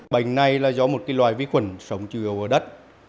bệnh này là do một loài vi khuẩn sống trừ yếu ở đất